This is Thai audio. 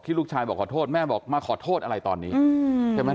ลูกชายบอกขอโทษแม่บอกมาขอโทษอะไรตอนนี้ใช่ไหม